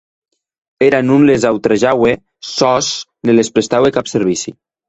Era non les autrejaue sòs ne les prestaue cap servici.